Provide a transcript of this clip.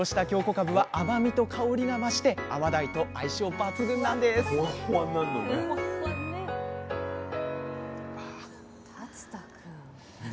かぶは甘みと香りが増して甘鯛と相性抜群なんです